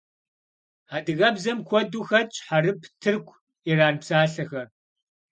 Адыгэбзэм куэду хэтщ хьэрып, тырку, иран псалъэхэр.